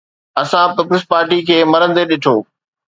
اسان Peoples Party کي مرندي ڏٺو.